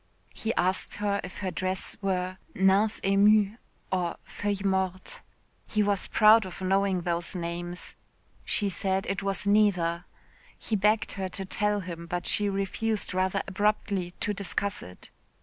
He asked her if her dress were nymphe émue or feuille morte. He was proud of knowing those two names. She said it was neither. He begged her to tell him, but she refused rather abruptly to discuss it.